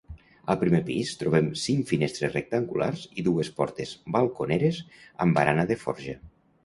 Al primer pis trobem cinc finestres rectangulars i dues portes balconeres amb barana de forja.